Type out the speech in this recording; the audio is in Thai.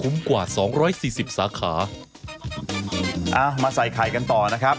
มาใส่ไข่กันต่อนะครับ